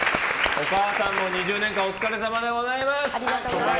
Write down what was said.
お母さんも２０年間お疲れさまでございます。